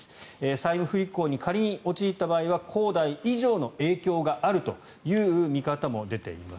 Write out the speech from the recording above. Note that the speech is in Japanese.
債務不履行に仮に陥った場合は恒大以上の影響があるという見方も出ています。